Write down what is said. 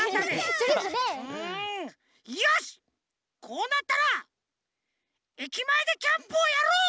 こうなったら駅前でキャンプをやろう！